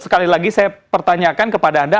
sekali lagi saya pertanyakan kepada anda